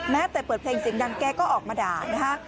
เปิดเพลงเสียงดังแกก็ออกมาด่านะคะ